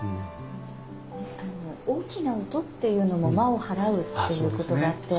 大きな音っていうのも魔を払うっていうことがあって。